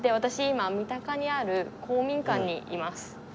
今三鷹にある公民館にいます。